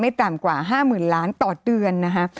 ต่ำกว่า๕๐๐๐ล้านต่อเดือนนะคะ